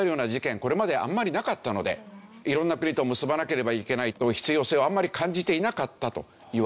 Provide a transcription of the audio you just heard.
これまであんまりなかったので色んな国と結ばなければいけない必要性をあんまり感じていなかったと言われているんですね。